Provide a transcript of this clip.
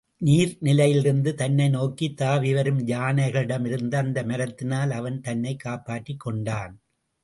நீர்நிலையிலிருந்து தன்னை நோக்கித் தாவி வரும் யானைகளிடமிருந்து அந்த மரத்தினால் அவன் தன்னைக் காப்பாற்றிக் கொண்டான்.